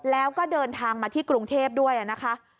แล้วก็เดินทางมาที่กรุงเทพด้วยนะคะ